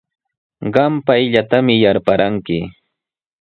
Qam payllatami yarparanki.